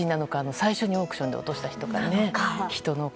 最初にオークションで落とした人なのか。